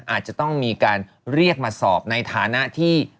อาจจะต้องมีการเรียกมาสอบในฐานะที่